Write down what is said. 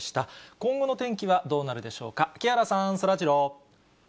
今後の天気はどうなるでしょうか、木原さん、そらジロー。